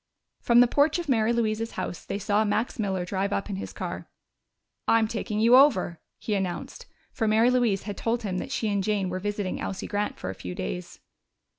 From the porch of Mary Louise's house they saw Max Miller drive up in his car. "I'm taking you over," he announced, for Mary Louise had told him that she and Jane were visiting Elsie Grant for a few days.